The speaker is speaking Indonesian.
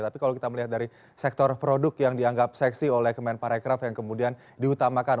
tapi kalau kita melihat dari sektor produk yang dianggap seksi oleh kemenparekraf yang kemudian diutamakan